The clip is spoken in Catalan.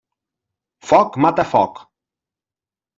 Foc mata foc.